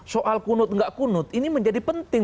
soal kunut nggak kunut ini menjadi penting